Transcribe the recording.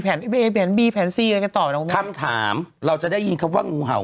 แผนแผนบีแผนซีอะไรแบบนี้ต่อคำถามเราจะได้ยินคำว่างูเห่า